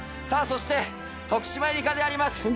さあ、そして徳島えりかであります。